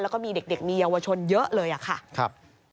แล้วก็มีเด็กมีเยาวชนเยอะเลยค่ะ